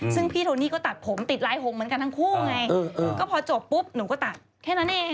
ซึ่งพี่โทนี่ก็ตัดผมติดลายหงเหมือนกันทั้งคู่ไงก็พอจบปุ๊บหนูก็ตัดแค่นั้นเอง